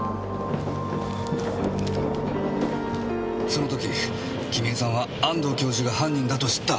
その時公江さんは安藤教授が犯人だと知った。